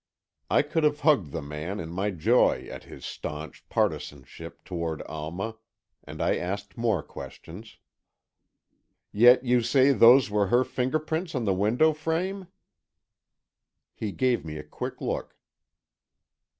I could have hugged the man in my joy at his staunch partisanship toward Alma, and I asked more questions. "Yet you say those were her fingerprints on the window frame?" He gave me a quick look.